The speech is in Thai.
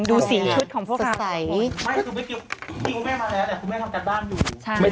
ดูสีชุดของพวกเขาสะใสไม่คือไม่เกี่ยวคุณแม่มาแล้วแหละ